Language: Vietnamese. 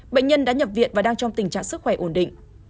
bệnh nhân đã nhập viện và đang trong tình trạng sức khỏe ổn định